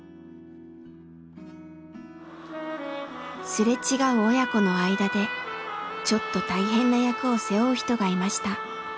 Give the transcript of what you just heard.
すれ違う親子の間でちょっと大変な役を背負う人がいました。